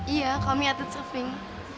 iya kami atut surfing